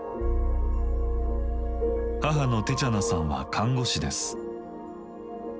母のテチャナさんは看護師です。